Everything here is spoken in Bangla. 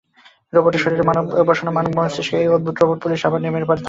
রোবটের শরীরে বসানো মানব মস্তিষ্ক—এই অদ্ভুত রোবট-পুলিশ আবার নেমে পড়ে তাঁর কাজে।